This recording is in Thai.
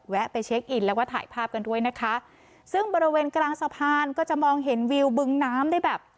ไปเช็คอินแล้วก็ถ่ายภาพกันด้วยนะคะซึ่งบริเวณกลางสะพานก็จะมองเห็นวิวบึงน้ำได้แบบ